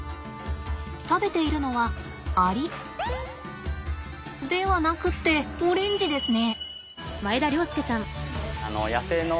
食べているのはアリではなくってオレンジですね。